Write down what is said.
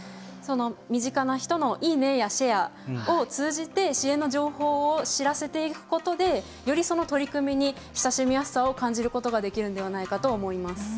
身近な人の「いいね！」や「シェア」を通じて支援の情報を知らせていくことでよりその取り組みに親しみやすさを感じることができるんではないかと思います。